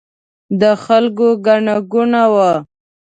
د خلکو ګڼه ګوڼه وه.